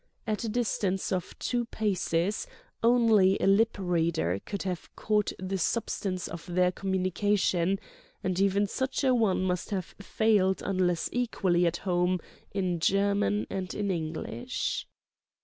At a distance of two paces only a lip reader could have caught the substance of their communications, and even such a one must have failed unless equally at home in German and in English.